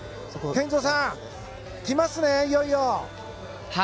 健三さん、来ますねいよいよ。